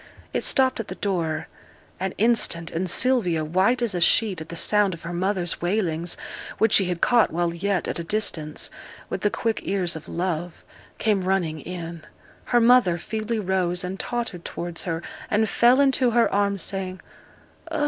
It stopped at the door an instant, and Sylvia, white as a sheet at the sound of her mother's wailings, which she had caught while yet at a distance, with the quick ears of love, came running in; her mother feebly rose and tottered towards her, and fell into her arms, saying, 'Oh!